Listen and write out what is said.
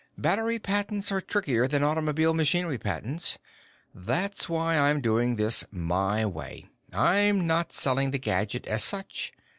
"Battery patents are trickier than automotive machinery patents. That's why I'm doing this my way. I'm not selling the gadget as such.